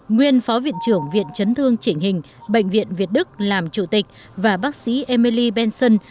nguyên phó viện trưởng viện chấn thương chỉnh hình bệnh viện việt đức làm chủ tịch và bác sĩ emily benson